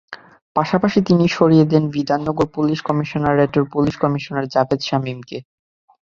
পাশাপাশি তিনি সরিয়ে দেন বিধাননগর পুলিশ কমিশনারেটের পুলিশ কমিশনার জাভেদ শামীমকে।